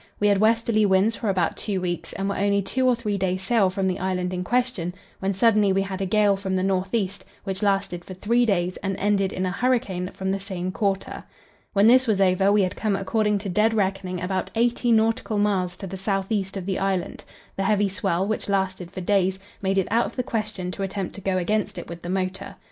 We had westerly winds for about two weeks, and were only two or three days' sail from the island in question, when suddenly we had a gale from the north east, which lasted for three days, and ended in a hurricane from the same quarter. When this was over, we had come according to dead reckoning about eighty nautical miles to the south east of the island; the heavy swell, which lasted for days, made it out of the question to attempt to go against it with the motor.